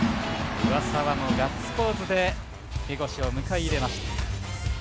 上沢もガッツポーズで江越を迎え入れました。